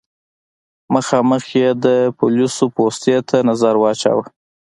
مخامخ يې د پوليسو پوستې ته نظر واچوه.